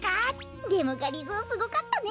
でもがりぞーすごかったね。